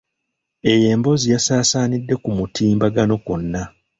Eyo emboozi yasaasaanidde ku mutimbagano kwonna.